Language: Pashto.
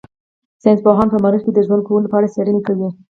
ساينس پوهان په مريخ کې د ژوند کولو په اړه څېړنې کوي.